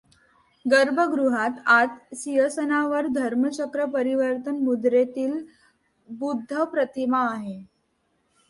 गर्भगृहात आत सिंहासनावर धम्मचक्र परिवर्तन मुद्रेतील बुद्धप्रतिमा आहे.